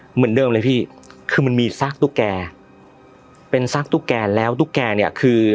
เหมือนเดิมเลยพี่คือมันมีซากตุ๊กแกเป็นซากตุ๊กแกแล้วตุ๊กแกเนี่ยคือ